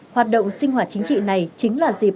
hoạt động sinh hoạt chính trị này chính là dịp